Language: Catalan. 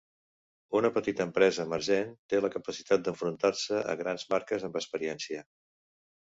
Una petita empresa emergent té la capacitat d'enfrontar-se a grans marques amb experiència.